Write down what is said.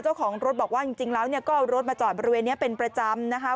เจ้าของรถบอกว่าจริงแล้วก็เอารถมาจอดบริเวณนี้เป็นประจำนะคะ